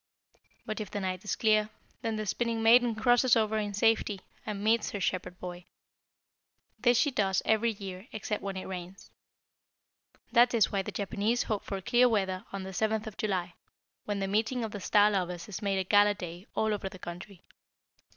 "But if the night is clear, then the Spinning maiden crosses over in safety, and meets her Shepherd boy. This she does every year except when it rains. That is why the Japanese hope for clear weather on the 7th of July, when the 'meeting of the star lovers' is made a gala day all over the country."